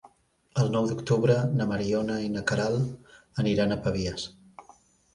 El nou d'octubre na Mariona i na Queralt aniran a Pavies.